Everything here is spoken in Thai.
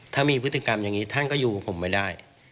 ถ้ามีพฤติกรรมอย่างนี้ท่านก็อยู่กับผมไม่ได้